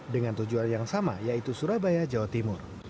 dengan tujuan yang sama yaitu surabaya jawa timur